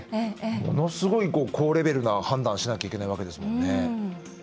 ものすごい高レベルな判断をしなきゃいけないわけですもんね。